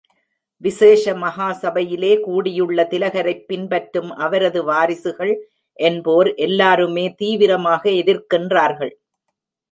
விசேஷ மகா சபையிலே கூடியுள்ள திலகரைப் பின்பற்றும் அவரது வாரிசுகள் என்போர் எல்லாருமே தீவிரமாக எதிர்க்கின்றார்கள்.